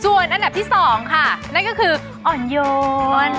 ส่วนอันดับที่๒ค่ะนั่นก็คืออ่อนโยน